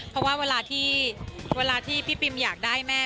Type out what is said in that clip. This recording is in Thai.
เพราะว่าเวลาที่พี่ปิมอยากได้แม่